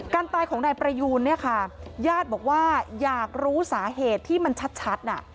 การตายของนายประยูนเนี่ยค่ะญาติบอกว่าอยากรู้สาเหตุที่มันชัดน่ะ